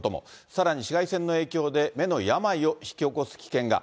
さらに紫外線の影響で、目の病を引き起こす危険が。